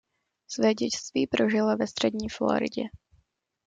Své dětství prožila ve střední Floridě.